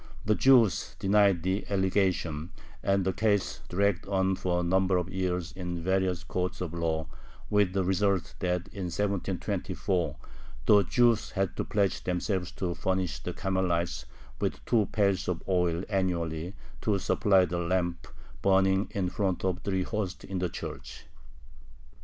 The Jews denied the allegation, and the case dragged on for a number of years in various courts of law, with the result that, in 1724, the Jews had to pledge themselves to furnish the Carmelites with two pails of oil annually to supply the lamp burning in front of the three hosts in the church.